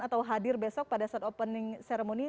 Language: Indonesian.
atau hadir besok pada saat opening ceremony